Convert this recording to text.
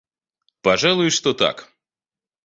Пожалуй, что так.